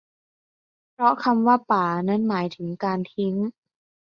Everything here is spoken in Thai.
เพราะคำว่าป๋านั้นหมายถึงการทิ้ง